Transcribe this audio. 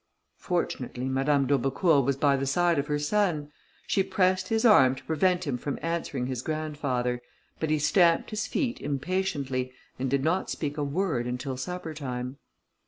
Fortunately Madame d'Aubecourt was by the side of her son; she pressed his arm to prevent him from answering his grandfather, but he stamped his feet impatiently, and did not speak a word until supper time.